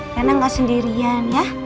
tenang gak sendirian ya